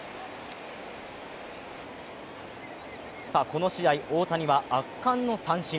この試合、大谷は圧巻の三振。